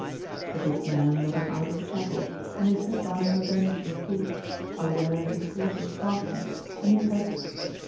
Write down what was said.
The good mun led him out of the chapel and they sat down on a bench in the porch, by where his horse was fastened, and he said.